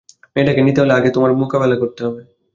মেয়েটাকে নিতে হলে আগে আমার মোকাবিলা করতে হবে।